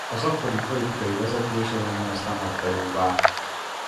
Az akkori politikai vezetés azonban ezt nem hagyta jóvá.